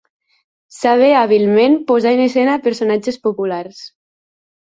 Sabé hàbilment posar en escena personatges populars.